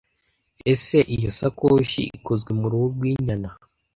Ese iyo sakoshi ikozwe mu ruhu rwinyana?